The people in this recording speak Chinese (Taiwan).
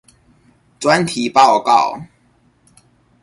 專題報告